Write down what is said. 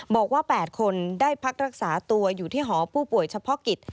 บอกว่า๘คนได้พักรักษาตัวอยู่ที่หอผู้ป่วยเฉพาะกิจ